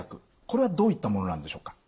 これはどういったものなんでしょうか。